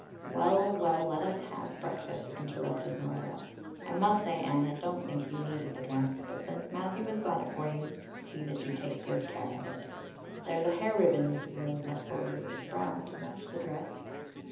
"Well, well, let us have breakfast," interrupted Marilla. "I must say, Anne, I don't think you needed the dress; but since Matthew has got it for you, see that you take good care of it. There's a hair ribbon Mrs. Lynde left for you. It's brown, to match the dress.